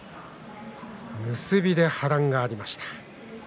結びで波乱がありました。